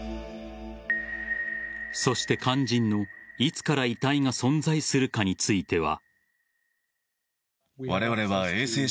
そして肝心の、いつから遺体が存在するかについては。